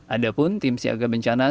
adapun tim siaga bencana